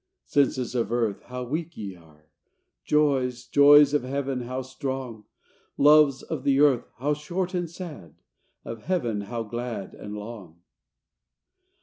Senses of earth, how weak ye are! Joys, joys of Heaven how strong! Loves of the earth, how short and sad, Of Heaven how glad and long!